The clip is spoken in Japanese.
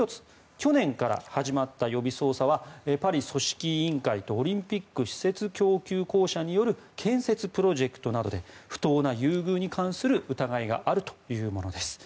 去年から始まった予備捜査はパリ組織委員会とオリンピック施設供給公社による建設プロジェクトなどで不当な優遇に関する疑いがあるというものです。